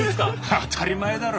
当たり前だろ。